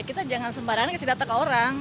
kita jangan sembarangan kasih data ke orang